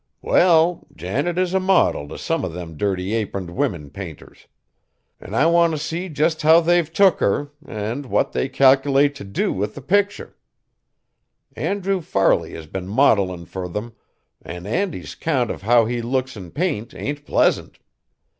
"Well, Janet is a modil t' some of them dirty aproned women painters! An' I want t' see just how they've took her, an' what they calkerlate t' do with the picter! Andrew Farley has been modilin' fur them, an' Andy's 'count of how he looks in paint ain't pleasant.